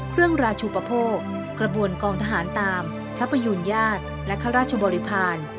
ราชูปโภคกระบวนกองทหารตามพระประยูนญาติและข้าราชบริพาณ